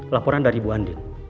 laporan dari ibu andin